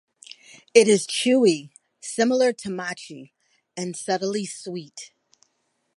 It is chewy, similar to "mochi", and subtly sweet.